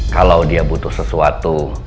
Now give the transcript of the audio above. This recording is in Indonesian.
kalau dia butuh sesuatu